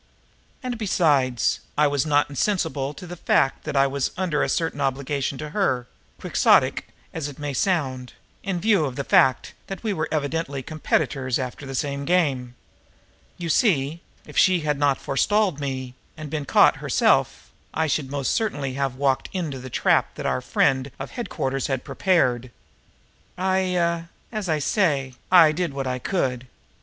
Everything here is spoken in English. And, besides, I was not insensible to the fact that I was under a certain obligation to her, quixotic as it may sound, in view of the fact that we were evidently competitors after the same game. You see, if she had not forestalled me and been caught herself, I should most certainly have walked into the trap that our friend of headquarters had prepared. I er as I say, did what I could.